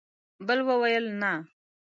بل وویل: نه!